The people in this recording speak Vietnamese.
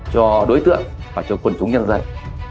cho đối tượng và cho quân chúng nhân dân